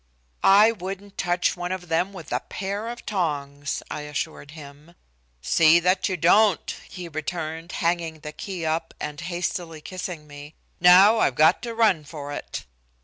"I wouldn't touch one of them with a pair of tongs," I assured him. "See that you don't," he returned, hanging the key up, and hastily kissing me. "Now I've got to run for it."